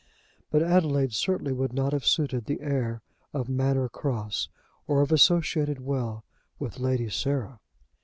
But Adelaide certainly would not have suited the air of Manor Cross, or have associated well with Lady Sarah.